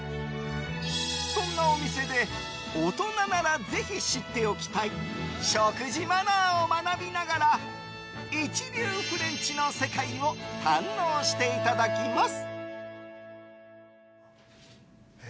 そんなお店で大人なら、ぜひ知っておきたい食事マナーを学びながら一流フレンチの世界を堪能していただきます。